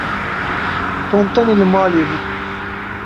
Tom tenê li malê bû.